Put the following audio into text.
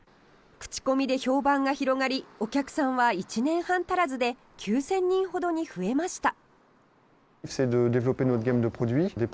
口コミで評判が広がりお客さんは１年半足らずで９０００人ほどに増えました。